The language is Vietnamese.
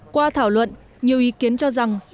qua thảo luận nhiều ý kiến cho rằng